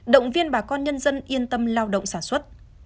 động viên bà con nhân dân yên tâm lao động sản xuất